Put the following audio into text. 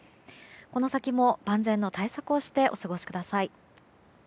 この先も万全の対策をしてお過ごしください。